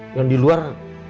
dan di luar